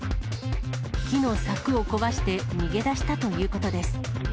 木の柵を壊して逃げ出したということです。